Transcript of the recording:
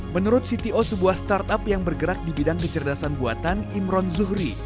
menurut cto sebuah startup yang bergerak di bidang kecerdasan buatan imron zuhri